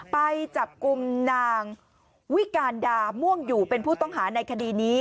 ไปจับกลุ่มนางวิการดาม่วงอยู่เป็นผู้ต้องหาในคดีนี้